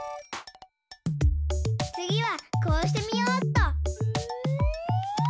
つぎはこうしてみようっと。